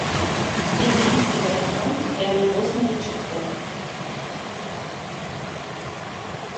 Три девицы под окном пряли поздно вечерком